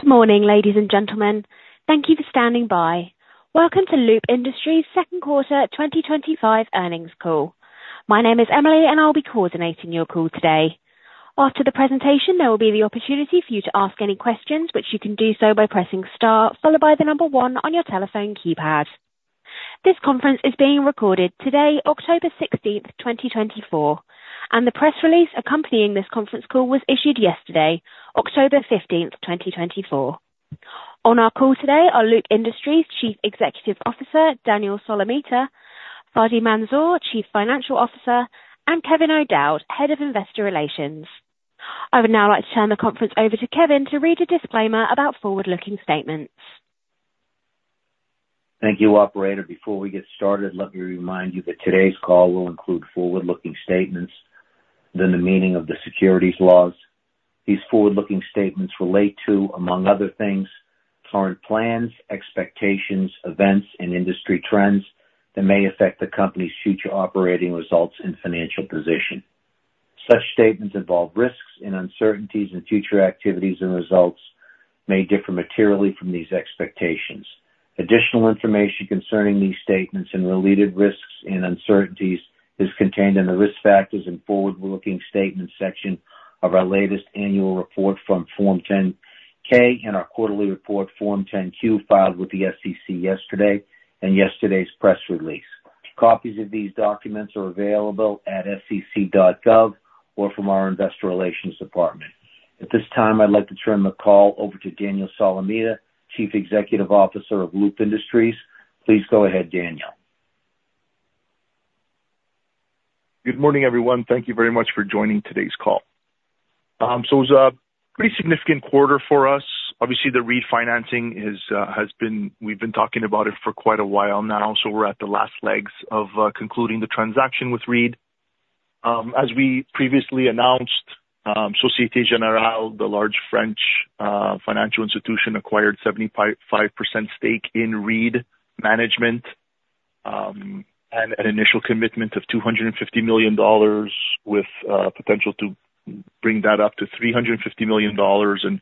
Good morning, ladies and gentlemen. Thank you for standing by. Welcome to Loop Industries' second quarter twenty twenty-five earnings call. My name is Emily, and I'll be coordinating your call today. After the presentation, there will be the opportunity for you to ask any questions, which you can do so by pressing star followed by the number one on your telephone keypad. This conference is being recorded today, October sixteenth, twenty twenty-four, and the press release accompanying this conference call was issued yesterday, October fifteenth, twenty twenty-four. On our call today are Loop Industries' Chief Executive Officer, Daniel Solomita, Fady Mansour, Chief Financial Officer, and Kevin O'Dowd, Head of Investor Relations. I would now like to turn the conference over to Kevin to read a disclaimer about forward-looking statements. Thank you, operator. Before we get started, let me remind you that today's call will include forward-looking statements within the meaning of the securities laws. These forward-looking statements relate to, among other things, current plans, expectations, events, and industry trends that may affect the company's future operating results and financial position. Such statements involve risks and uncertainties, and future activities and results may differ materially from these expectations. Additional information concerning these statements and related risks and uncertainties is contained in the Risk Factors and Forward-Looking Statements section of our latest annual report, Form 10-K, and our quarterly report, Form 10-Q, filed with the SEC yesterday and yesterday's press release. Copies of these documents are available at sec.gov or from our investor relations department. At this time, I'd like to turn the call over to Daniel Solomita, Chief Executive Officer of Loop Industries. Please go ahead, Daniel. Good morning, everyone. Thank you very much for joining today's call. So it was a pretty significant quarter for us. Obviously, the refinancing is, has been. We've been talking about it for quite a while now, so we're at the last legs of concluding the transaction with REIT. As we previously announced, Société Générale, the large French financial institution, acquired 75% stake in REIT Management, and an initial commitment of $250 million with potential to bring that up to $350 million. And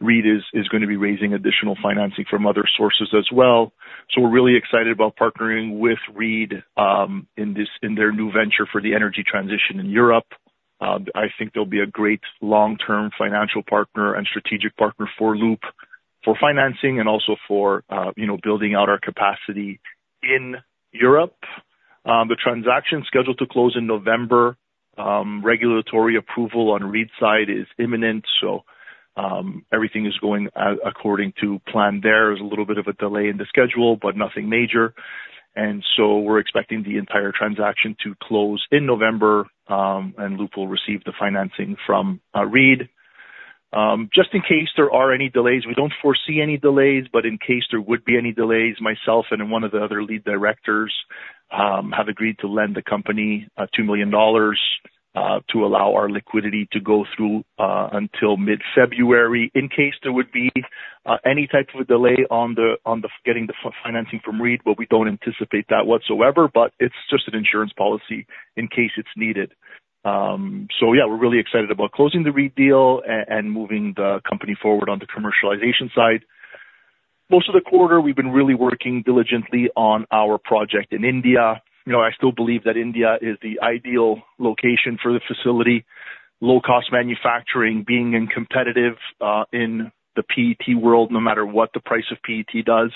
Reed is going to be raising additional financing from other sources as well. So we're really excited about partnering with Reed, in their new venture for the energy transition in Europe. I think they'll be a great long-term financial partner and strategic partner for Loop, for financing and also for, you know, building out our capacity in Europe. The transaction is scheduled to close in November. Regulatory approval on Reed's side is imminent, so, everything is going out according to plan there. There's a little bit of a delay in the schedule, but nothing major. And so we're expecting the entire transaction to close in November, and Loop will receive the financing from Reed. Just in case there are any delays, we don't foresee any delays, but in case there would be any delays, myself and one of the other lead directors have agreed to lend the company $2 million to allow our liquidity to go through until mid-February, in case there would be any type of a delay on getting the financing from REIT, but we don't anticipate that whatsoever. But it's just an insurance policy in case it's needed. So yeah, we're really excited about closing the REIT deal and moving the company forward on the commercialization side. Most of the quarter, we've been really working diligently on our project in India. You know, I still believe that India is the ideal location for the facility. Low-cost manufacturing, being in competitive, in the PET world, no matter what the price of PET does.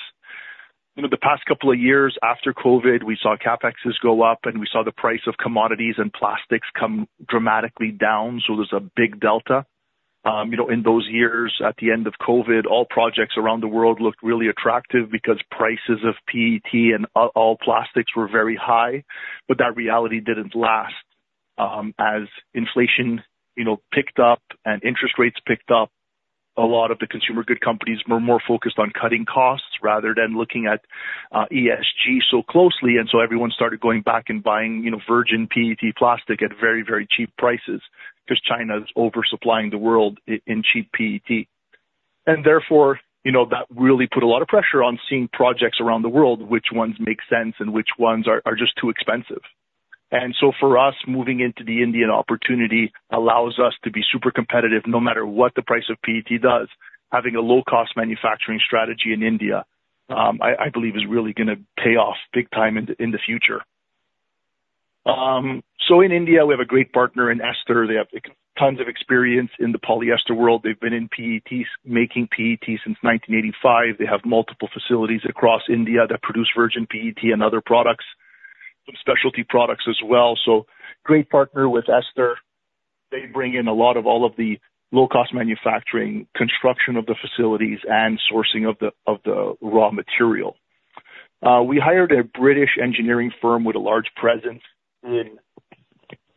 You know, the past couple of years after COVID, we saw CapExes go up, and we saw the price of commodities and plastics come dramatically down, so there's a big delta. You know, in those years, at the end of COVID, all projects around the world looked really attractive because prices of PET and all plastics were very high. But that reality didn't last. As inflation, you know, picked up and interest rates picked up, a lot of the consumer good companies were more focused on cutting costs rather than looking at, ESG so closely, and so everyone started going back and buying, you know, virgin PET plastic at very, very cheap prices, because China is oversupplying the world in cheap PET. And therefore, you know, that really put a lot of pressure on seeing projects around the world, which ones make sense and which ones are just too expensive. And so for us, moving into the Indian opportunity allows us to be super competitive, no matter what the price of PET does. Having a low-cost manufacturing strategy in India, I believe is really gonna pay off big time in the future. So in India, we have a great partner in Ester. They have tons of experience in the polyester world. They've been in PET, making PET since nineteen eighty-five. They have multiple facilities across India that produce virgin PET and other products, some specialty products as well. So great partner with Ester. They bring in a lot of all of the low-cost manufacturing, construction of the facilities, and sourcing of the raw material. We hired a British engineering firm with a large presence in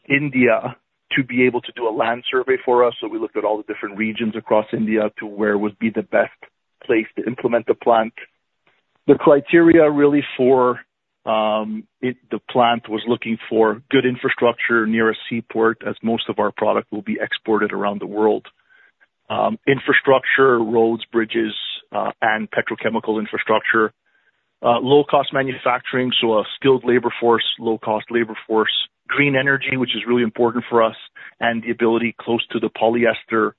India to be able to do a land survey for us, so we looked at all the different regions across India to where would be the best place to implement the plant. The criteria really for the plant was looking for good infrastructure near a seaport, as most of our product will be exported around the world. Infrastructure, roads, bridges, and petrochemical infrastructure. Low cost manufacturing, so a skilled labor force, low cost labor force, green energy, which is really important for us, and the ability close to the polyester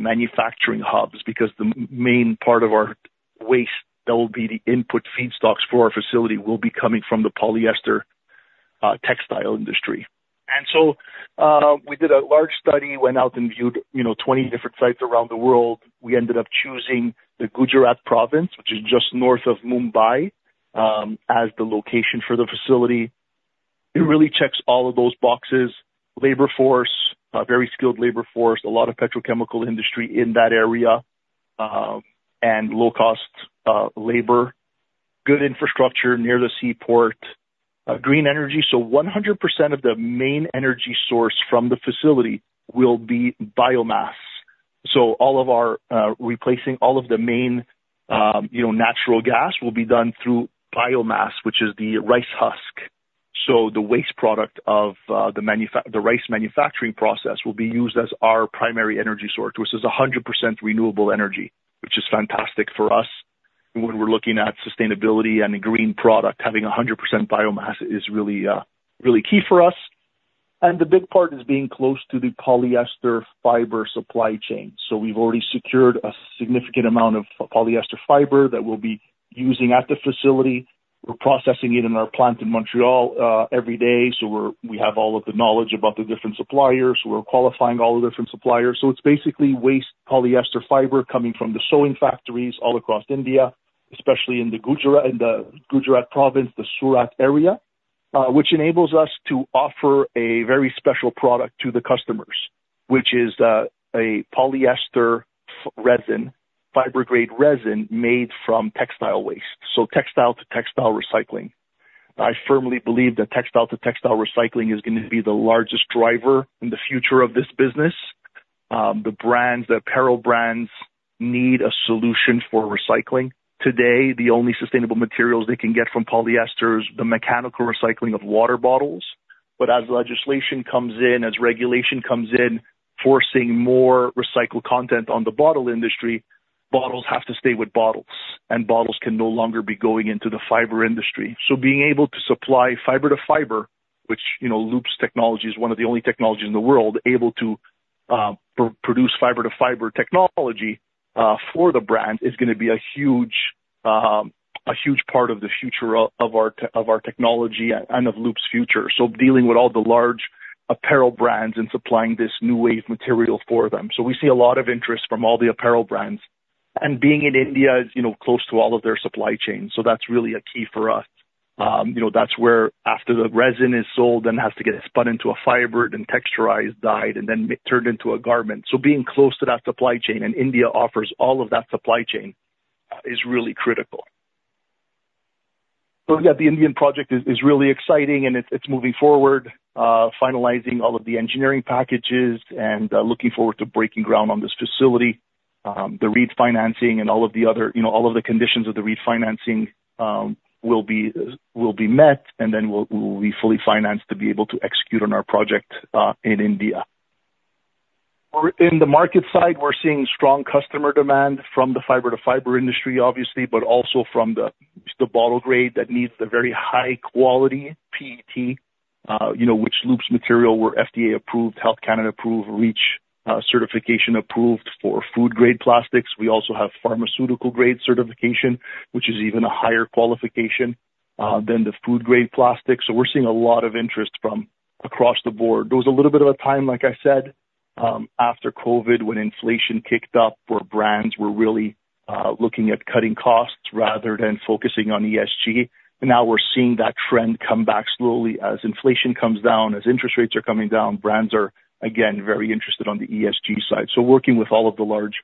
manufacturing hubs, because the main part of our waste that will be the input feedstocks for our facility will be coming from the polyester textile industry. And so, we did a large study, went out and viewed, you know, 20 different sites around the world. We ended up choosing the Gujarat province, which is just north of Mumbai, as the location for the facility. It really checks all of those boxes. Labor force, a very skilled labor force, a lot of petrochemical industry in that area, and low cost, labor, good infrastructure near the seaport, green energy. So 100% of the main energy source from the facility will be biomass. So all of our, replacing all of the main, you know, natural gas will be done through biomass, which is the rice husk. So the waste product of, the rice manufacturing process will be used as our primary energy source, which is 100% renewable energy, which is fantastic for us. When we're looking at sustainability and a green product, having 100% biomass is really, really key for us, and the big part is being close to the polyester fiber supply chain. So we've already secured a significant amount of polyester fiber that we'll be using at the facility. We're processing it in our plant in Montreal every day. So we have all of the knowledge about the different suppliers. We're qualifying all the different suppliers. So it's basically waste polyester fiber coming from the sewing factories all across India, especially in the Gujarat province, the Surat area, which enables us to offer a very special product to the customers, which is a polyester resin, fiber grade resin made from textile waste, so textile to textile recycling. I firmly believe that textile-to-textile recycling is going to be the largest driver in the future of this business. The brands, the apparel brands, need a solution for recycling. Today, the only sustainable materials they can get from polyester is the mechanical recycling of water bottles. But as legislation comes in, as regulation comes in, forcing more recycled content on the bottle industry, bottles have to stay with bottles, and bottles can no longer be going into the fiber industry. So being able to supply fiber-to-fiber, which, you know, Loop's technology is one of the only technologies in the world able to produce fiber-to-fiber technology for the brands, is gonna be a huge part of the future of our technology and of Loop's future. So dealing with all the large apparel brands and supplying this new wave material for them. So we see a lot of interest from all the apparel brands. And being in India is, you know, close to all of their supply chains, so that's really a key for us. You know, that's where after the resin is sold and has to get spun into a fiber, then texturized, dyed, and then turned into a garment. So being close to that supply chain, and India offers all of that supply chain, is really critical. So yeah, the Indian project is really exciting and it's moving forward, finalizing all of the engineering packages and, looking forward to breaking ground on this facility. The refinancing and all of the other, you know, all of the conditions of the refinancing, will be met, and then we'll be fully financed to be able to execute on our project in India. We're in the market side, we're seeing strong customer demand from the fiber-to-fiber industry, obviously, but also from the bottle grade that needs the very high quality PET, you know, which Loop's material were FDA approved, Health Canada approved, REACH certification approved for food grade plastics. We also have pharmaceutical grade certification, which is even a higher qualification than the food grade plastic. So we're seeing a lot of interest from across the board. There was a little bit of a time, like I said, after COVID, when inflation kicked up, where brands were really looking at cutting costs rather than focusing on ESG. But now we're seeing that trend come back slowly as inflation comes down, as interest rates are coming down. Brands are again very interested on the ESG side, so working with all of the large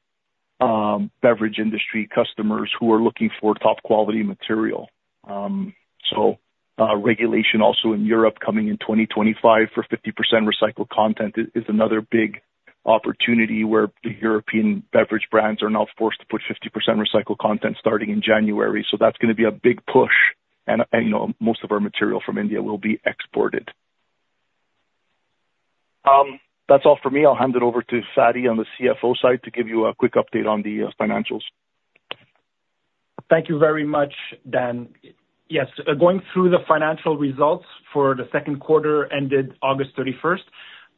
beverage industry customers who are looking for top quality material. So, regulation also in Europe, coming in 2025 for 50% recycled content is another big opportunity where the European beverage brands are now forced to put 50% recycled content starting in January. So that's gonna be a big push. And you know, most of our material from India will be exported. That's all for me. I'll hand it over to Fady on the CFO side to give you a quick update on the financials. Thank you very much, Dan. Yes, going through the financial results for the second quarter ended August thirty-first.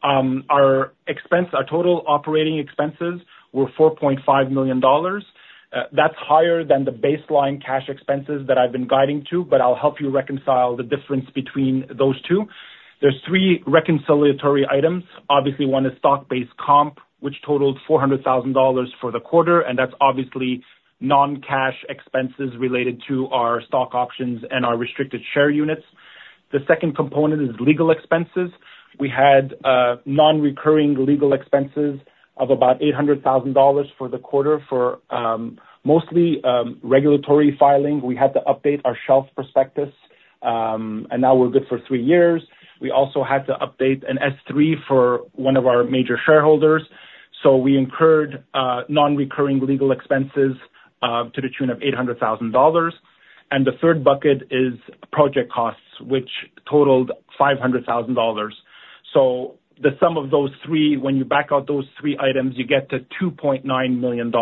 Our expense, our total operating expenses were $4.5 million. That's higher than the baseline cash expenses that I've been guiding to, but I'll help you reconcile the difference between those two. There's three reconciliation items. Obviously, one is stock-based comp, which totaled $400,000 for the quarter, and that's obviously non-cash expenses related to our stock options and our restricted share units. The second component is legal expenses. We had non-recurring legal expenses of about $800,000 for the quarter for mostly regulatory filing. We had to update our shelf prospectus, and now we're good for three years. We also had to update an S-3 for one of our major shareholders. So we incurred non-recurring legal expenses to the tune of $800,000. And the third bucket is project costs, which totaled $500,000. So the sum of those three, when you back out those three items, you get to $2.9 million.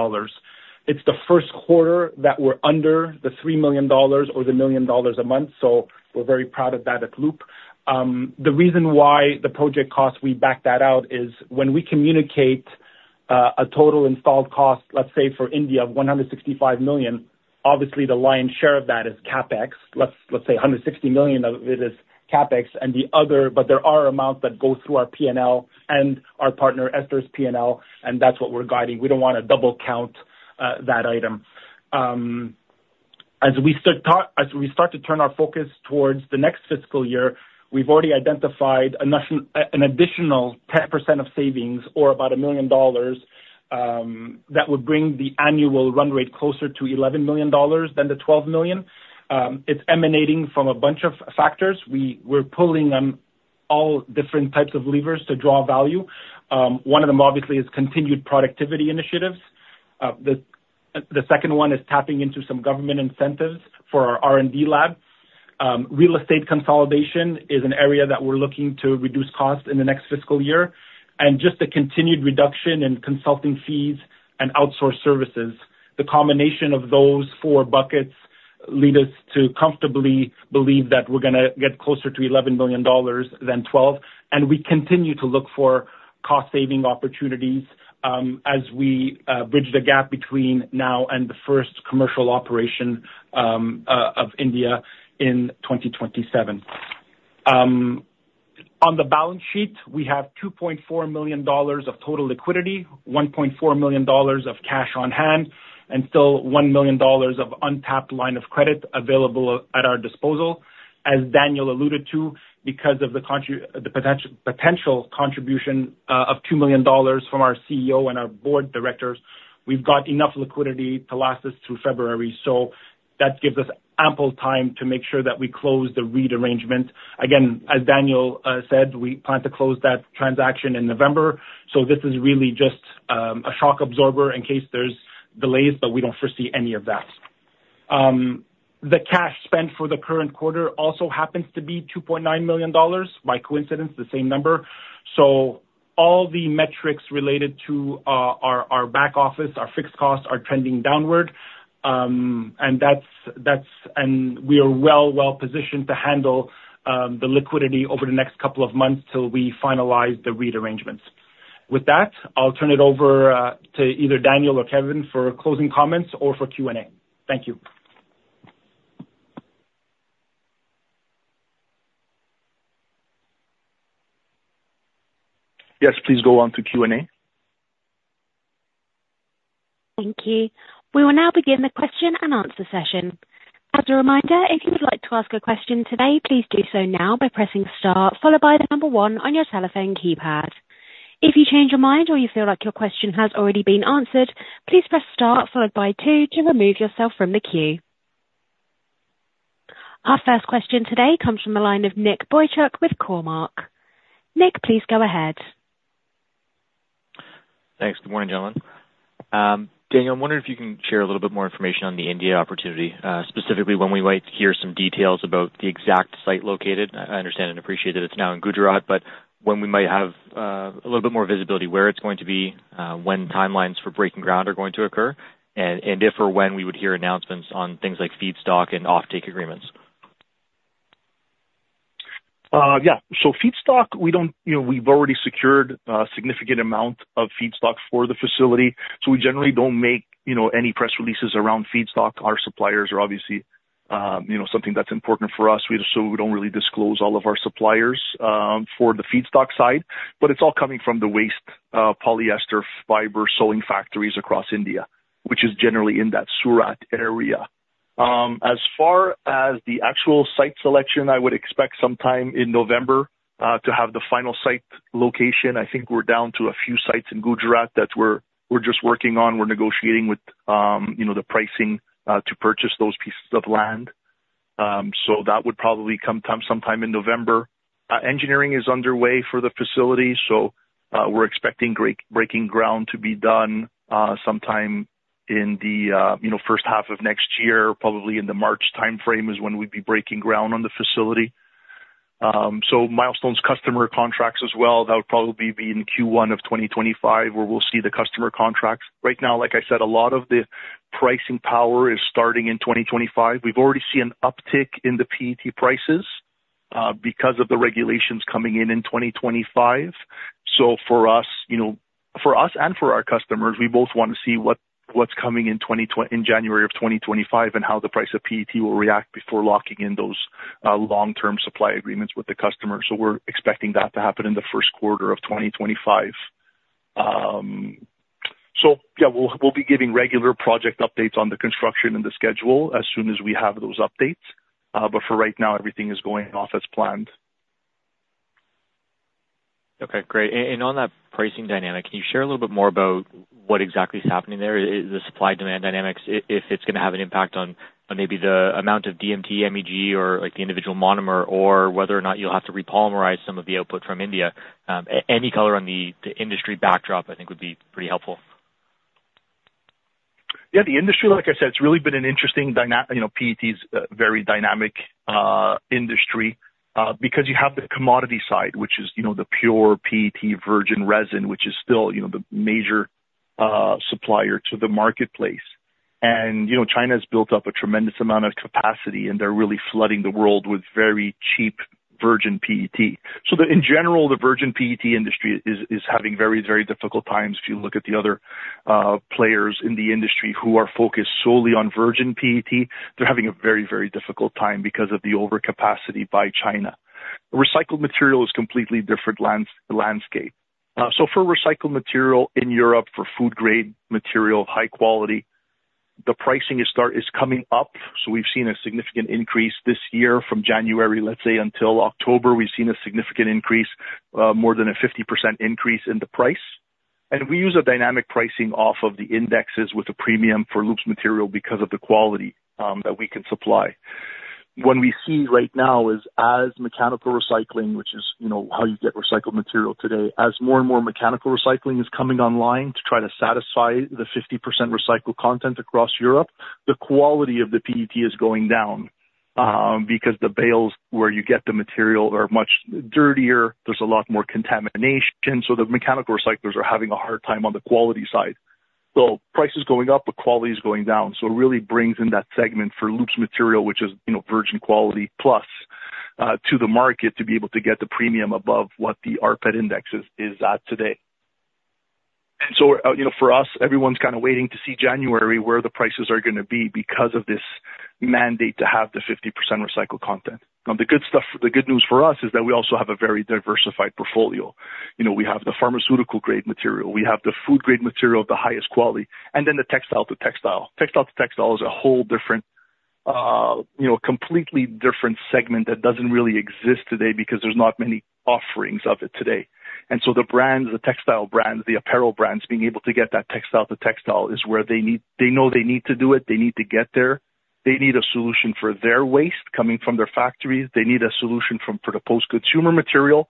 It's the first quarter that we're under the $3 million or the $1 million a month, so we're very proud of that at Loop. The reason why the project costs, we back that out, is when we communicate a total installed cost, let's say for India of $165 million, obviously the lion's share of that is CapEx. Let's say $160 million of it is CapEx and the other but there are amounts that go through our P&L and our partner, Ester's P&L, and that's what we're guiding. We don't want to double count that item. As we start to turn our focus towards the next fiscal year, we've already identified an additional 10% of savings or about $1 million that would bring the annual run rate closer to $11 million than the $12 million. It's emanating from a bunch of factors. We're pulling on all different types of levers to draw value. One of them, obviously, is continued productivity initiatives. The second one is tapping into some government incentives for our R&D lab. Real estate consolidation is an area that we're looking to reduce costs in the next fiscal year, and just a continued reduction in consulting fees and outsourced services. The combination of those four buckets lead us to comfortably believe that we're gonna get closer to $11 million than $12 million, and we continue to look for cost saving opportunities, as we bridge the gap between now and the first commercial operation of India in 2027. On the balance sheet, we have $2.4 million of total liquidity, $1.4 million of cash on hand, and still $1 million of untapped line of credit available at our disposal. As Daniel alluded to, because of the potential contribution of $2 million from our CEO and our board directors, we've got enough liquidity to last us through February. So that gives us ample time to make sure that we close the Reed arrangement. Again, as Daniel said, we plan to close that transaction in November, so this is really just a shock absorber in case there's delays, but we don't foresee any of that. The cash spent for the current quarter also happens to be $2.9 million, by coincidence, the same number. So all the metrics related to our back office, our fixed costs, are trending downward. And that's and we are well positioned to handle the liquidity over the next couple of months till we finalize the Reed arrangements. With that, I'll turn it over to either Daniel or Kevin for closing comments or for Q&A. Thank you. Yes, please go on to Q&A. Thank you. We will now begin the question and answer session. As a reminder, if you would like to ask a question today, please do so now by pressing star, followed by the number one on your telephone keypad. If you change your mind or you feel like your question has already been answered, please press star followed by two to remove yourself from the queue. Our first question today comes from the line of Nick Boychuk with Cormark. Nick, please go ahead. Thanks. Good morning, gentlemen. Daniel, I'm wondering if you can share a little bit more information on the India opportunity, specifically when we might hear some details about the exact site located. I understand and appreciate that it's now in Gujarat, but when we might have a little bit more visibility, where it's going to be, when timelines for breaking ground are going to occur, and if or when we would hear announcements on things like feedstock and offtake agreements. Yeah. So feedstock, we don't, you know, we've already secured a significant amount of feedstock for the facility, so we generally don't make, you know, any press releases around feedstock. Our suppliers are obviously, you know, something that's important for us. So we don't really disclose all of our suppliers, for the feedstock side, but it's all coming from the waste polyester fiber sewing factories across India, which is generally in that Surat area. As far as the actual site selection, I would expect sometime in November to have the final site location. I think we're down to a few sites in Gujarat that we're just working on. We're negotiating with, you know, the pricing to purchase those pieces of land. So that would probably come sometime in November. Engineering is underway for the facility, so we're expecting breaking ground to be done sometime in the first half of next year. Probably in the March timeframe is when we'd be breaking ground on the facility. So milestones, customer contracts as well, that would probably be in Q1 of 2025, where we'll see the customer contracts. Right now, like I said, a lot of the pricing power is starting in 2025. We've already seen an uptick in the PET prices because of the regulations coming in in 2025. So for us, you know, for us and for our customers, we both want to see what's coming in January of 2025, and how the price of PET will react before locking in those long-term supply agreements with the customer. So we're expecting that to happen in the first quarter of twenty twenty-five. So yeah, we'll be giving regular project updates on the construction and the schedule as soon as we have those updates. But for right now, everything is going off as planned. Okay, great. And on that pricing dynamic, can you share a little bit more about what exactly is happening there? The supply/demand dynamics, if it's gonna have an impact on, on maybe the amount of DMT, MEG, or, like, the individual monomer, or whether or not you'll have to repolymerize some of the output from India. Any color on the industry backdrop, I think would be pretty helpful. Yeah, the industry, like I said, it's really been an interesting dynamic, you know, PET's a very dynamic industry because you have the commodity side, which is, you know, the pure PET virgin resin, which is still, you know, the major supplier to the marketplace. And, you know, China has built up a tremendous amount of capacity, and they're really flooding the world with very cheap virgin PET. So in general, the virgin PET industry is having very, very difficult times. If you look at the other players in the industry who are focused solely on virgin PET, they're having a very, very difficult time because of the overcapacity by China. Recycled material is completely different landscape. So for recycled material in Europe, for food grade material of high quality, the pricing is coming up, so we've seen a significant increase this year from January, let's say, until October. We've seen a significant increase, more than a 50% increase in the price, and we use a dynamic pricing off of the indexes with a premium for Loop's material because of the quality that we can supply. What we see right now is as mechanical recycling, which is, you know, how you get recycled material today, as more and more mechanical recycling is coming online to try to satisfy the 50% recycled content across Europe, the quality of the PET is going down, because the bales where you get the material are much dirtier, there's a lot more contamination, so the mechanical recyclers are having a hard time on the quality side. So price is going up, but quality is going down. So it really brings in that segment for Loop's material, which is, you know, virgin quality plus, to the market to be able to get the premium above what the rPET index is at today. So, you know, for us, everyone's kind of waiting to see January, where the prices are gonna be because of this mandate to have the 50% recycled content. Now, the good stuff, the good news for us is that we also have a very diversified portfolio. You know, we have the pharmaceutical grade material, we have the food grade material of the highest quality, and then the textile-to-textile. Textile-to-textile is a whole different, you know, completely different segment that doesn't really exist today because there's not many offerings of it today. And so the brands, the textile brands, the apparel brands, being able to get that textile-to-textile is where they need. They know they need to do it, they need to get there. They need a solution for their waste coming from their factories. They need a solution for the post-consumer material.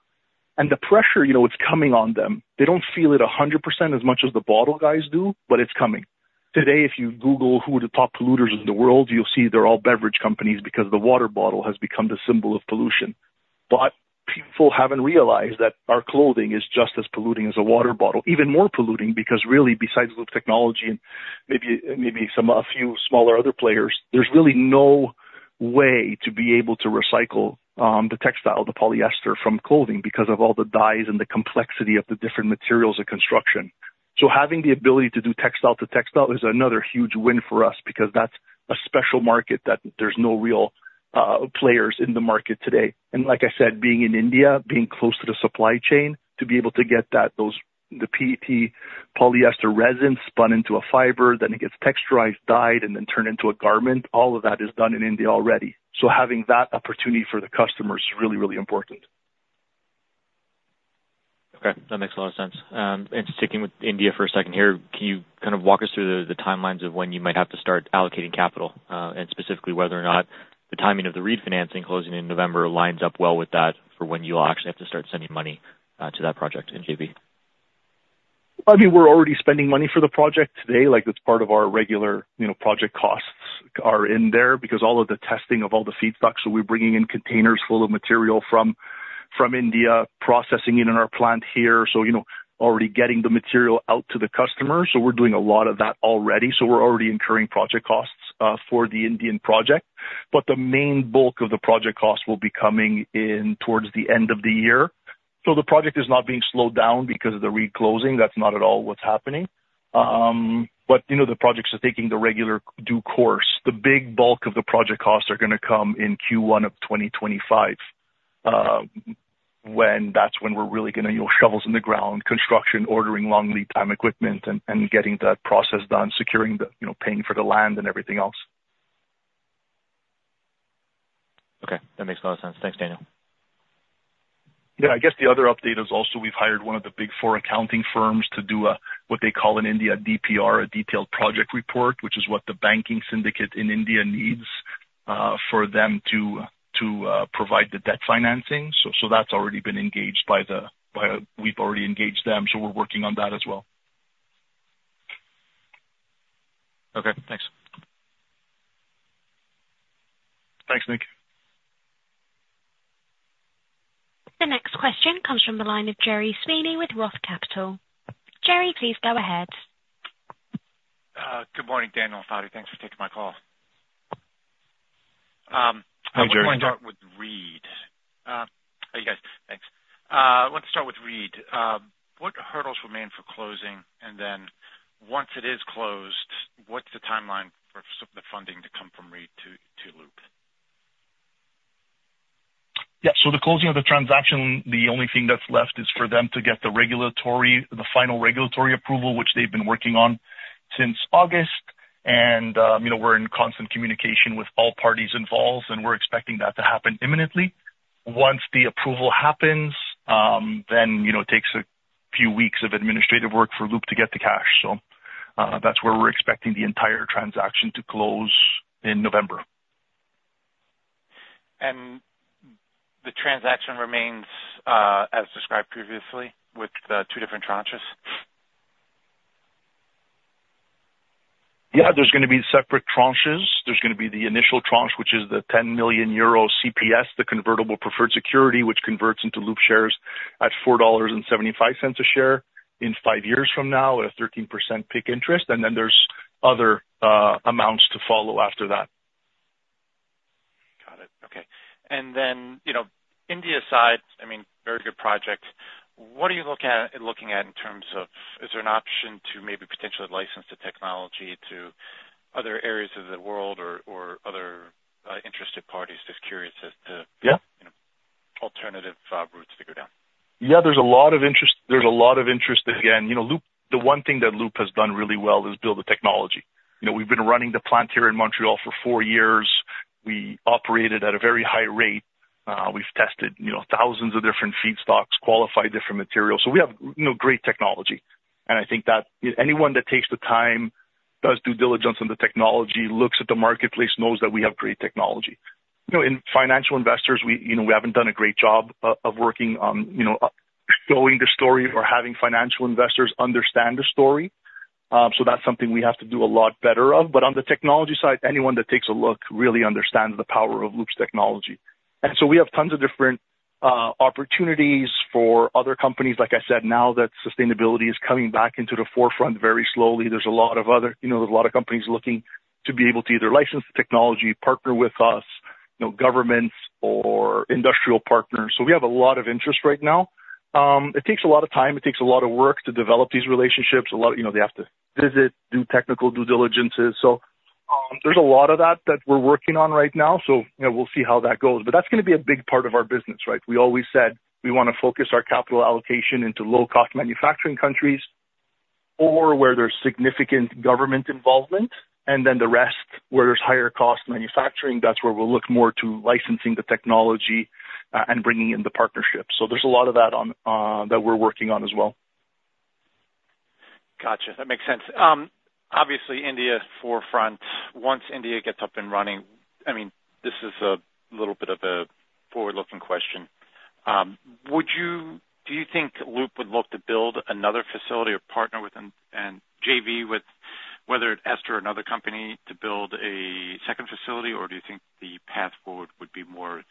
The pressure, you know, it's coming on them. They don't feel it a hundred percent as much as the bottle guys do, but it's coming. Today, if you Google who are the top polluters in the world, you'll see they're all beverage companies because the water bottle has become the symbol of pollution. But people haven't realized that our clothing is just as polluting as a water bottle, even more polluting, because really, besides Loop technology and maybe, maybe some, a few smaller other players, there's really no way to be able to recycle the textile, the polyester from clothing, because of all the dyes and the complexity of the different materials and construction. So having the ability to do textile to textile is another huge win for us, because that's a special market that there's no real players in the market today. And like I said, being in India, being close to the supply chain, to be able to get that, those, the PET polyester resin spun into a fiber, then it gets texturized, dyed, and then turned into a garment, all of that is done in India already. So having that opportunity for the customer is really, really important. Okay, that makes a lot of sense. And sticking with India for a second here, can you kind of walk us through the timelines of when you might have to start allocating capital, and specifically whether or not the timing of the refinancing closing in November lines up well with that for when you'll actually have to start sending money to that project in JV? I mean, we're already spending money for the project today. Like, it's part of our regular, you know, project costs are in there because all of the testing of all the feedstock. So we're bringing in containers full of material from India, processing it in our plant here. So, you know, already getting the material out to the customer. So we're doing a lot of that already. So we're already incurring project costs for the Indian project. But the main bulk of the project costs will be coming in towards the end of the year. So the project is not being slowed down because of the Reed closing. That's not at all what's happening. But, you know, the projects are taking the regular due course. The big bulk of the project costs are gonna come in Q1 of twenty twenty-five, when that's when we're really gonna, you know, shovels in the ground, construction, ordering long lead time equipment and getting that process done, securing the, you know, paying for the land and everything else. Okay, that makes a lot of sense. Thanks, Daniel. Yeah, I guess the other update is also we've hired one of the big four accounting firms to do what they call in India, DPR, a detailed project report, which is what the banking syndicate in India needs for them to provide the debt financing. So that's already been engaged by, we've already engaged them, so we're working on that as well. Okay, thanks. Thanks, Nick. The next question comes from the line of Gerry Sweeney with Roth Capital. Gerry, please go ahead. Good morning, Daniel and Fady. Thanks for taking my call. Hi, Gerry. I'm going to start with Reed. How you guys? Thanks. Let's start with Reed. What hurdles remain for closing? And then once it is closed, what's the timeline for the funding to come from Reed to Loop? Yeah. So the closing of the transaction, the only thing that's left is for them to get the regulatory, the final regulatory approval, which they've been working on since August. And, you know, we're in constant communication with all parties involved, and we're expecting that to happen imminently. Once the approval happens, then, you know, it takes a few weeks of administrative work for Loop to get the cash. So, that's where we're expecting the entire transaction to close in November. And the transaction remains, as described previously, with the two different tranches? Yeah, there's gonna be separate tranches. There's gonna be the initial tranche, which is the 10 million euro CPS, the convertible preferred security, which converts into Loop shares at $4.75 a share in 5 years from now, at a 13% PIK interest, and then there's other amounts to follow after that. Got it. Okay. And then, you know, India side, I mean, very good project. What are you looking at in terms of, is there an option to maybe potentially license the technology to other areas of the world or, or other interested parties? Just curious as to- Yeah. you know, alternative routes to go down. Yeah, there's a lot of interest, there's a lot of interest. Again, you know, Loop, the one thing that Loop has done really well is build the technology. You know, we've been running the plant here in Montreal for four years. We operated at a very high rate. We've tested, you know, thousands of different feedstocks, qualified different materials. So we have, you know, great technology, and I think that anyone that takes the time, does due diligence on the technology, looks at the marketplace, knows that we have great technology. You know, in financial investors, we, you know, we haven't done a great job of working on, you know, telling the story or having financial investors understand the story. So that's something we have to do a lot better of. On the technology side, anyone that takes a look really understands the power of Loop's technology. So we have tons of different opportunities for other companies. Like I said, now that sustainability is coming back into the forefront very slowly, there's a lot of other, you know, there's a lot of companies looking to be able to either license the technology, partner with us, you know, governments or industrial partners. So we have a lot of interest right now. It takes a lot of time, it takes a lot of work to develop these relationships. A lot, you know, they have to visit, do technical due diligences. So there's a lot of that we're working on right now. You know, we'll see how that goes. But that's gonna be a big part of our business, right? We always said, we wanna focus our capital allocation into low-cost manufacturing countries, or where there's significant government involvement, and then the rest, where there's higher cost manufacturing, that's where we'll look more to licensing the technology, and bringing in the partnerships. So there's a lot of that on, that we're working on as well. Gotcha, that makes sense. Obviously, India forefront. Once India gets up and running, I mean, this is a little bit of a forward-looking question. Would you, do you think Loop would look to build another facility or partner with and JV with whether it's Ester or another company to build a second facility? Or do you think the path forward would be more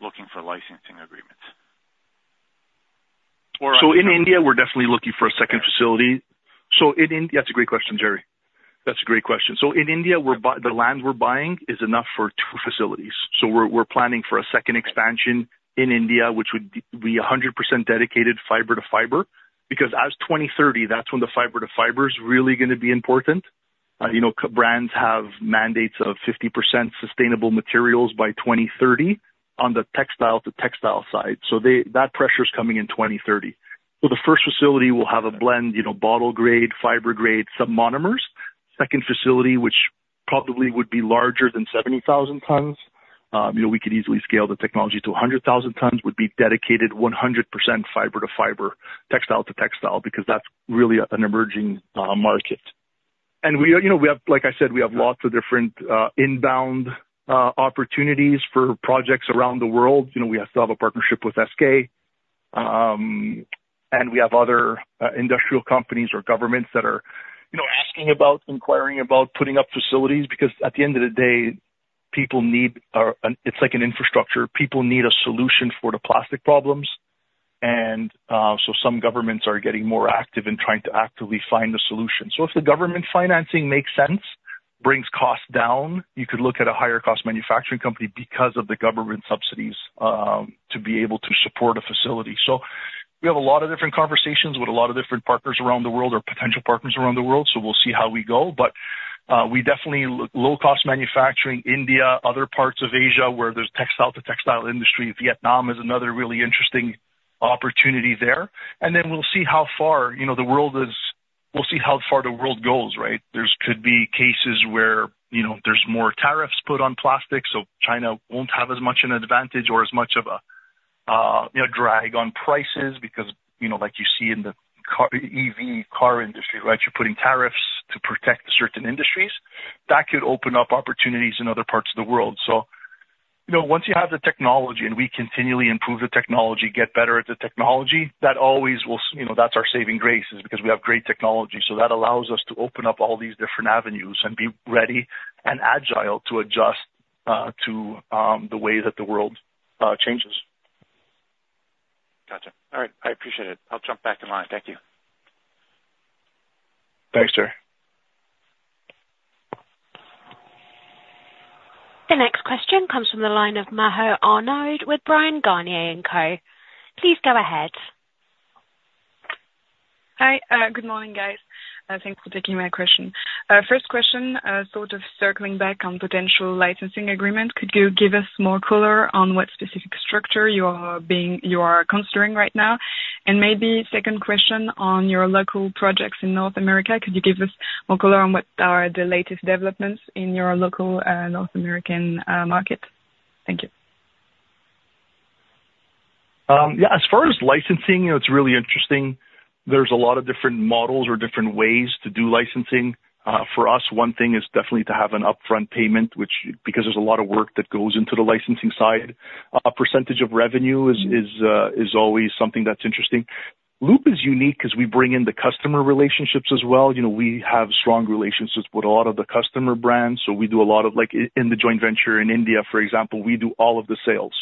looking for licensing agreements? In India, we're definitely looking for a second facility. That's a great question, Gerry. That's a great question. In India, the land we're buying is enough for two facilities. We're planning for a second expansion in India, which would be 100% dedicated fiber-to-fiber, because as 2030, that's when the fiber-to-fiber is really gonna be important. You know, brands have mandates of 50% sustainable materials by 2030 on the textile-to-textile side, so that pressure is coming in 2030. The first facility will have a blend, you know, bottle grade, fiber grade, some monomers. Second facility, which probably would be larger than 70,000 tons, you know, we could easily scale the technology to 100,000 tons, would be dedicated 100% fiber-to-fiber, textile-to-textile, because that's really an emerging market. And we, you know, we have, like I said, we have lots of different inbound opportunities for projects around the world. You know, we still have a partnership with SK, and we have other industrial companies or governments that are, you know, asking about, inquiring about putting up facilities, because at the end of the day, people need, it's like an infrastructure. People need a solution for the plastic problems, and so some governments are getting more active in trying to actively find a solution. So if the government financing makes sense, brings costs down, you could look at a higher cost manufacturing company because of the government subsidies, to be able to support a facility. So we have a lot of different conversations with a lot of different partners around the world or potential partners around the world, so we'll see how we go. But, we definitely low cost manufacturing, India, other parts of Asia, where there's textile-to-textile industry. Vietnam is another really interesting opportunity there. And then we'll see how far, you know, the world is. We'll see how far the world goes, right? There's could be cases where, you know, there's more tariffs put on plastic, so China won't have as much an advantage or as much of a, you know, drag on prices because, you know, like you see in the car- EV car industry, right? You're putting tariffs to protect certain industries. That could open up opportunities in other parts of the world. So, you know, once you have the technology, and we continually improve the technology, get better at the technology, that always will, you know, that's our saving grace, is because we have great technology. So that allows us to open up all these different avenues and be ready and agile to adjust to the way that the world changes. Gotcha. All right. I appreciate it. I'll jump back in line. Thank you. Thanks, Gerry. The next question comes from the line of Maho Arnaud with Bryan, Garnier & Co. Please go ahead. Hi, good morning, guys. Thanks for taking my question. First question, sort of circling back on potential licensing agreement. Could you give us more color on what specific structure you are considering right now? And maybe second question on your local projects in North America. Could you give us more color on what are the latest developments in your local, North American, market? Thank. Yeah, as far as licensing, you know, it's really interesting. There's a lot of different models or different ways to do licensing. For us, one thing is definitely to have an upfront payment, which because there's a lot of work that goes into the licensing side, a percentage of revenue is always something that's interesting. Loop is unique because we bring in the customer relationships as well. You know, we have strong relationships with a lot of the customer brands, so we do a lot of like in the joint venture in India, for example, we do all of the sales.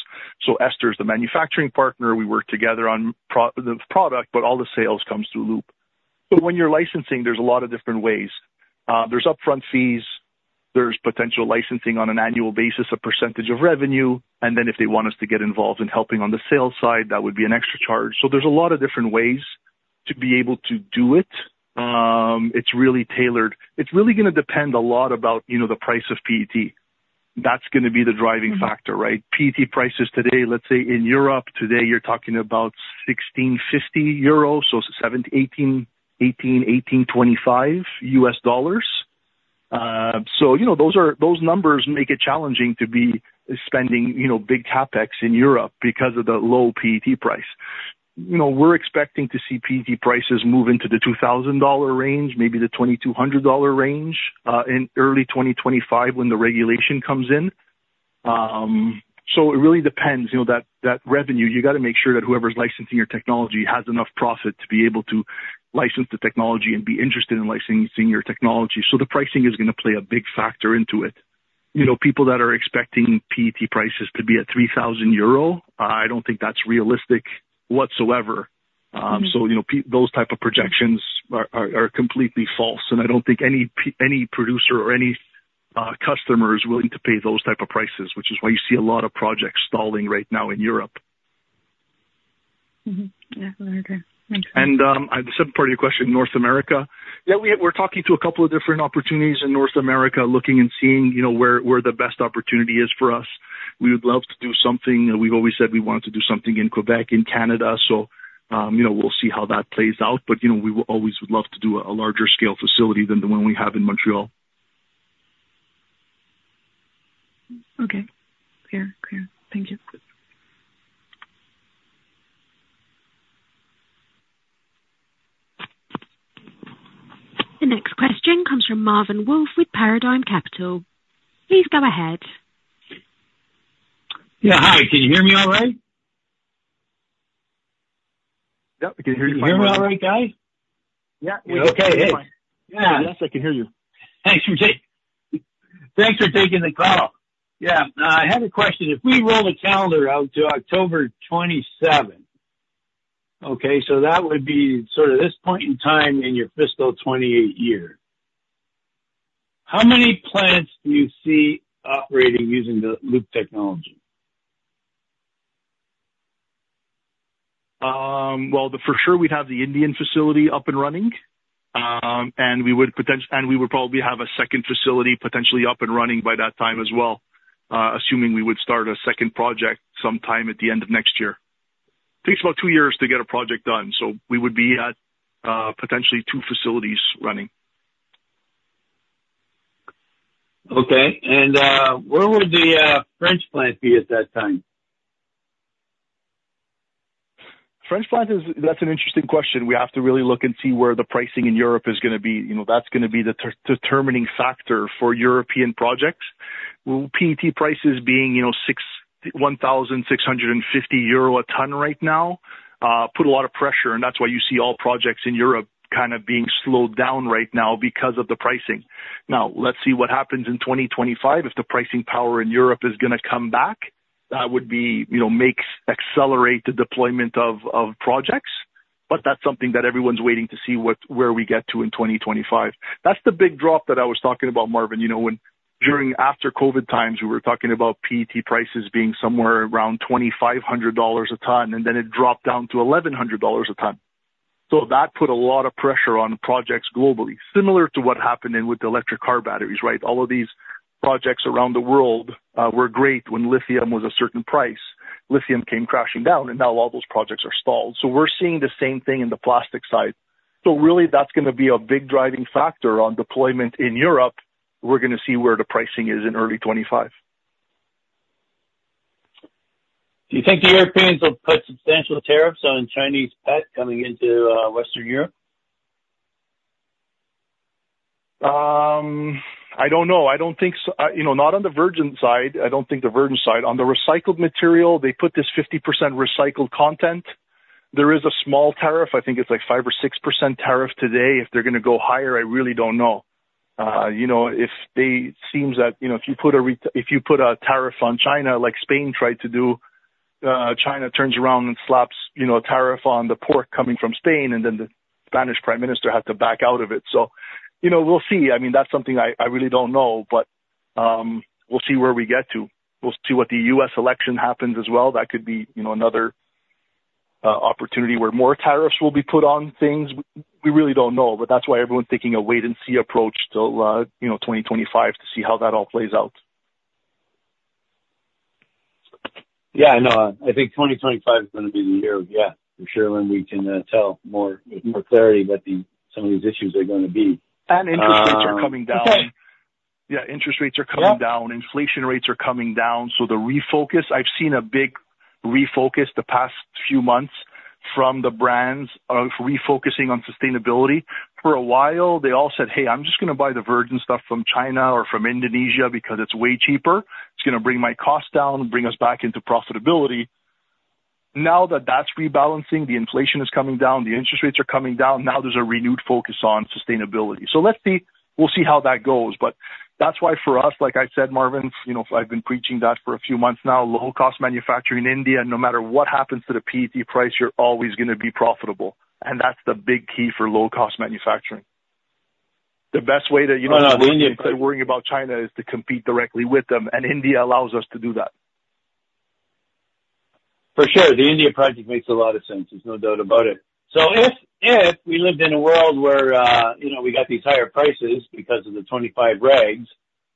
So Ester is the manufacturing partner. We work together on the product, but all the sales comes through Loop. So when you're licensing, there's a lot of different ways. There's upfront fees, there's potential licensing on an annual basis, a percentage of revenue, and then if they want us to get involved in helping on the sales side, that would be an extra charge. So there's a lot of different ways to be able to do it. It's really tailored. It's really gonna depend a lot about, you know, the price of PET. That's gonna be the driving factor, right? PET prices today, let's say in Europe today, you're talking about 1,650 euros, so $1,718-$1,825 US dollars. So, you know, those numbers make it challenging to be spending, you know, big CapEx in Europe because of the low PET price. You know, we're expecting to see PET prices move into the $2,000 range, maybe the $2,200 range, in early 2025 when the regulation comes in. So it really depends. You know, that revenue, you got to make sure that whoever's licensing your technology has enough profit to be able to license the technology and be interested in licensing your technology. So the pricing is gonna play a big factor into it. You know, people that are expecting PET prices to be at 3,000 euro, I don't think that's realistic whatsoever. So, you know, those type of projections are completely false, and I don't think any producer or any customer is willing to pay those type of prices, which is why you see a lot of projects stalling right now in Europe. Mm-hmm. Yeah, okay. Thank you. And, the second part of your question, North America. Yeah, we, we're talking to a couple of different opportunities in North America, looking and seeing, you know, where, where the best opportunity is for us. We would love to do something. We've always said we wanted to do something in Quebec, in Canada. So, you know, we'll see how that plays out. But, you know, we will always would love to do a larger scale facility than the one we have in Montreal. Okay. Clear. Clear. Thank you. The next question comes from Marvin Wolff with Paradigm Capital. Please go ahead. Yeah, hi. Can you hear me all right? Yep, we can hear you fine. Can you hear me all right, guys? Yeah, we can hear you fine. Okay, hey. Yeah. Yes, I can hear you. Thanks for taking the call. Yeah. I had a question. If we roll the calendar out to October 27, okay, so that would be sort of this point in time in your fiscal 2028 year. How many plants do you see operating using the Loop technology? Well, for sure we'd have the Indian facility up and running, and we would probably have a second facility potentially up and running by that time as well, assuming we would start a second project sometime at the end of next year. Takes about two years to get a project done, so we would be at potentially two facilities running. Okay. And where will the French plant be at that time? French plant is, That's an interesting question. We have to really look and see where the pricing in Europe is gonna be. You know, that's gonna be the determining factor for European projects. PET prices being, you know, 1,650 euro a ton right now put a lot of pressure, and that's why you see all projects in Europe kind of being slowed down right now because of the pricing. Now, let's see what happens in 2025 if the pricing power in Europe is gonna come back. That would be, you know, makes accelerate the deployment of projects, but that's something that everyone's waiting to see, what's where we get to in 2025. That's the big drop that I was talking about, Marvin. You know, when during after COVID times, we were talking about PET prices being somewhere around $2,500 a ton, and then it dropped down to $1,100 a ton. So that put a lot of pressure on projects globally, similar to what happened in with the electric car batteries, right? All of these projects around the world were great when lithium was a certain price. Lithium came crashing down, and now all those projects are stalled. So we're seeing the same thing in the plastic side. So really, that's gonna be a big driving factor on deployment in Europe. We're gonna see where the pricing is in early 2025. Do you think the Europeans will put substantial tariffs on Chinese PET coming into Western Europe? I don't know. I don't think so. You know, not on the virgin side. I don't think the virgin side. On the recycled material, they put this 50% recycled content. There is a small tariff. I think it's like 5% or 6% tariff today. If they're gonna go higher, I really don't know. You know, if they... Seems that, you know, if you put a tariff on China, like Spain tried to do, China turns around and slaps, you know, a tariff on the port coming from Spain, and then the Spanish Prime Minister has to back out of it. So, you know, we'll see. I mean, that's something I, I really don't know, but, we'll see where we get to. We'll see what the U.S. election happens as well. That could be, you know, another opportunity where more tariffs will be put on things. We really don't know, but that's why everyone's taking a wait and see approach till, you know, twenty twenty-five to see how that all plays out. Yeah, I know. I think 2025 is gonna be the year, yeah, for sure, when we can tell more, with more clarity what some of these issues are gonna be. Interest rates are coming down. Yeah, interest rates are coming down, inflation rates are coming down, so the refocus, I've seen a big refocus the past few months from the brands of refocusing on sustainability. For a while, they all said: "Hey, I'm just gonna buy the virgin stuff from China or from Indonesia because it's way cheaper. It's gonna bring my costs down and bring us back into profitability." Now that that's rebalancing, the inflation is coming down, the interest rates are coming down, now there's a renewed focus on sustainability. So let's see. We'll see how that goes. But that's why for us, like I said, Marvin, you know, I've been preaching that for a few months now, low-cost manufacturing in India, no matter what happens to the PET price, you're always gonna be profitable, and that's the big key for low-cost manufacturing. The best way to, you know, stop worrying about China is to compete directly with them, and India allows us to do that. For sure, the India project makes a lot of sense, there's no doubt about it. So if we lived in a world where, you know, we got these higher prices because of the twenty-five regs,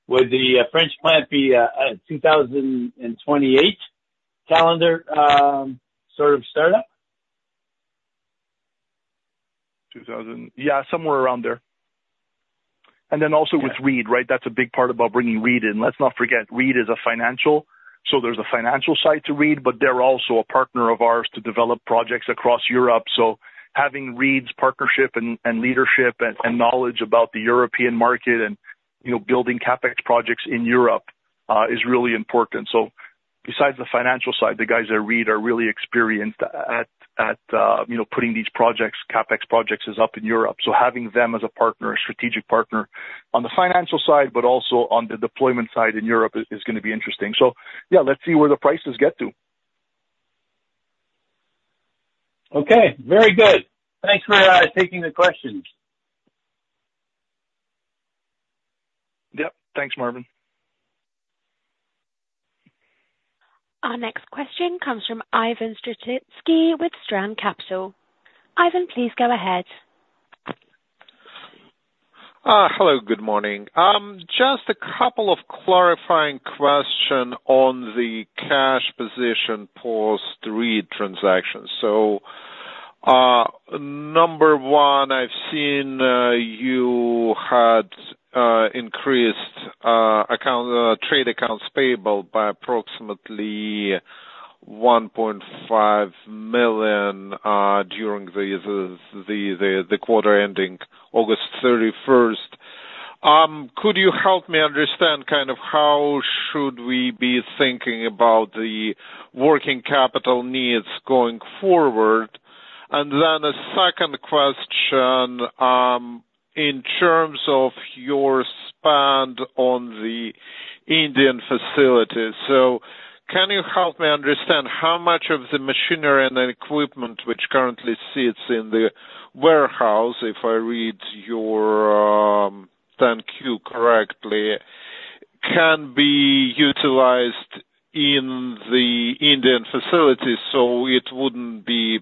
would the French plant be a two thousand and twenty-eight calendar sort of startup? Two thousand, Yeah, somewhere around there. And then also with Reed, right? That's a big part about bringing Reed in. Let's not forget, Reed is a financial, so there's a financial side to Reed, but they're also a partner of ours to develop projects across Europe. So having Reed's partnership and leadership and knowledge about the European market and, you know, building CapEx projects in Europe is really important. So besides the financial side, the guys at REIT are really experienced at you know, putting these projects, CapEx projects, up in Europe. So having them as a partner, a strategic partner on the financial side, but also on the deployment side in Europe, is gonna be interesting. So yeah, let's see where the prices get to. Okay, very good. Thanks for taking the questions. Yep. Thanks, Marvin. Our next question comes from Ivan Strasinsky with Strand Capital. Ivan, please go ahead. Hello, good morning. Just a couple of clarifying question on the cash position post Reed transactions. So, number one, I've seen you had increased trade accounts payable by approximately $1.5 million during the quarter ending August thirty-first. Could you help me understand kind of how should we be thinking about the working capital needs going forward? Then a second question, in terms of your spend on the Indian facility. So can you help me understand how much of the machinery and equipment which currently sits in the warehouse, if I read your 10-Q correctly, can be utilized in the Indian facilities, so it wouldn't be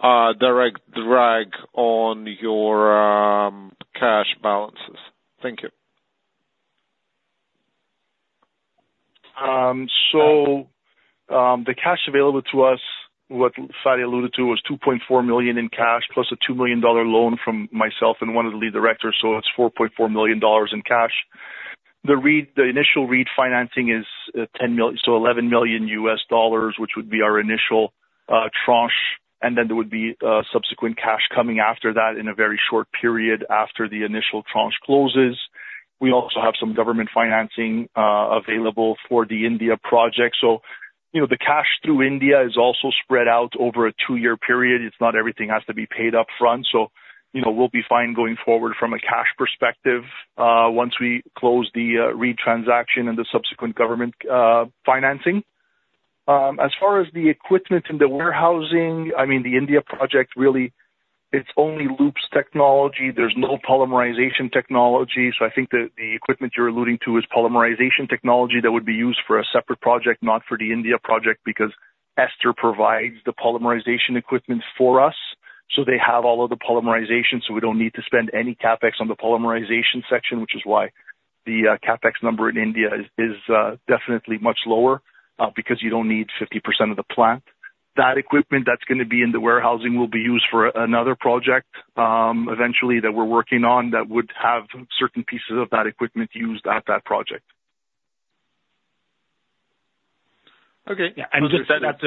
a direct drag on your cash balances? Thank you. So, the cash available to us, what Fady alluded to, was $2.4 million in cash, plus a $2 million dollar loan from myself and one of the lead directors, so it's $4.4 million dollars in cash. The Reed, the initial REIT financing is $10 million, so $11 million US dollars, which would be our initial tranche, and then there would be subsequent cash coming after that in a very short period after the initial tranche closes. We also have some government financing available for the India project. So, you know, the cash through India is also spread out over a two-year period. It's not everything has to be paid up front, so, you know, we'll be fine going forward from a cash perspective once we close the Reed transaction and the subsequent government financing. As far as the equipment and the warehousing, I mean the India project, really, it's only Loop's technology. There's no polymerization technology. So I think that the equipment you're alluding to is polymerization technology that would be used for a separate project, not for the India project, because Ester provides the polymerization equipment for us. So they have all of the polymerization, so we don't need to spend any CapEx on the polymerization section, which is why the CapEx number in India is definitely much lower, because you don't need 50% of the plant. That equipment that's gonna be in the warehousing will be used for another project, eventually, that we're working on, that would have certain pieces of that equipment used at that project. Okay. Yeah, and just so that,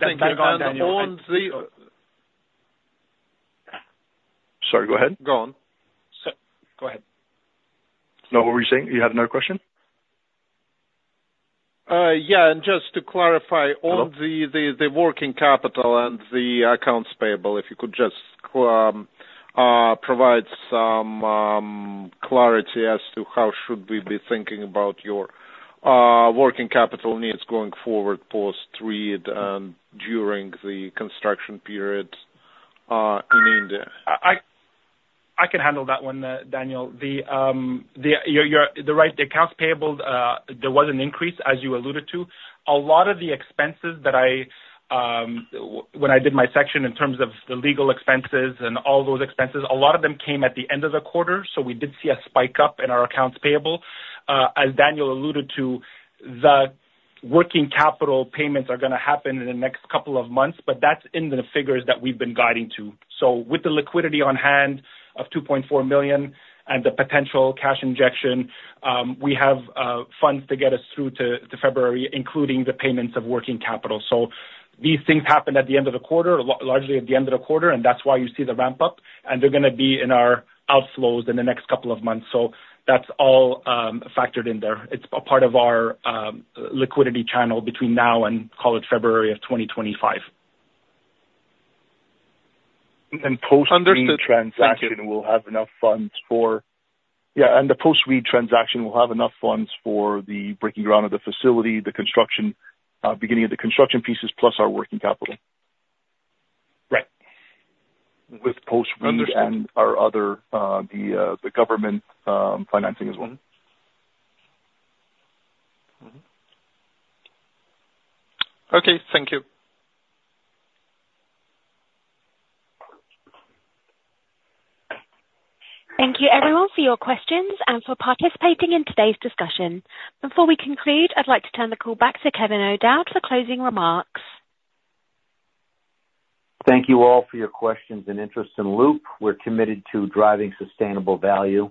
Thank you. On the- Sorry, go ahead. Go on. So go ahead. No, what were you saying? You have no question? Yeah, and just to clarify- Hello? On the working capital and the accounts payable, if you could just provide some clarity as to how should we be thinking about your working capital needs going forward post Reed, during the construction period, in India? I can handle that one, Daniel. The accounts payable, there was an increase, as you alluded to. A lot of the expenses when I did my section in terms of the legal expenses and all those expenses, a lot of them came at the end of the quarter, so we did see a spike up in our accounts payable. As Daniel alluded to, the working capital payments are gonna happen in the next couple of months, but that's in the figures that we've been guiding to. So with the liquidity on hand of $2.4 million and the potential cash injection, we have funds to get us through to February, including the payments of working capital. So these things happen at the end of the quarter, largely at the end of the quarter, and that's why you see the ramp up, and they're gonna be in our outflows in the next couple of months. So that's all factored in there. It's a part of our liquidity channel between now and, call it, February of twenty twenty-five. And post- Understood. Transaction, we'll have enough funds for... Yeah, and the post-REIT transaction, we'll have enough funds for the breaking ground of the facility, the construction, beginning of the construction pieces, plus our working capital. Right. With post-REIT Understood. And our other, the government financing as well. Mm-hmm. Okay, thank you. Thank you everyone for your questions and for participating in today's discussion. Before we conclude, I'd like to turn the call back to Kevin O'Dowd for closing remarks. Thank you all for your questions and interest in Loop. We're committed to driving sustainable value.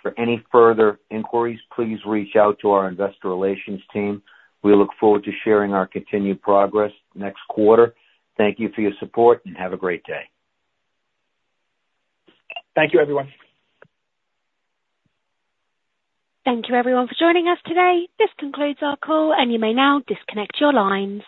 For any further inquiries, please reach out to our investor relations team. We look forward to sharing our continued progress next quarter. Thank you for your support, and have a great day. Thank you, everyone. Thank you, everyone, for joining us today. This concludes our call, and you may now disconnect your lines.